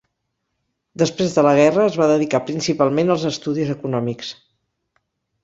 Després de la guerra es va dedicar principalment als estudis econòmics.